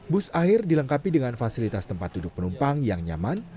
bus air dilengkapi dengan fasilitas tempat duduk penumpang yang nyaman